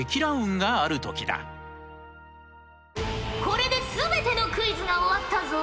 これで全てのクイズが終わったぞ。